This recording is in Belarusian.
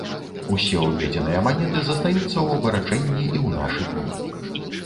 Усе ўведзеныя манеты застаюцца ў абарачэнні і ў нашы дні.